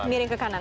miring ke kanan